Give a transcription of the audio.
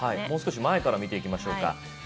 もう少し前から見ていきましょうか。